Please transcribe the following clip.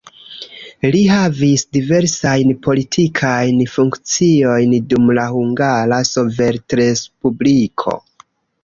Li havis diversajn politikajn funkciojn dum la Hungara Sovetrespubliko.